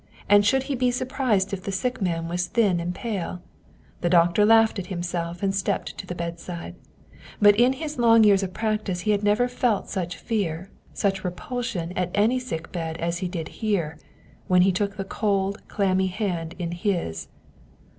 And should he be sur prised if a sick man was thin and pale ? The doctor laughed at himself and stepped to the bedside. But in all his long 1 years of practice he had never felt such fear, such repulsion at any sick bed as he did here, when he took the cold, clammy hand in his.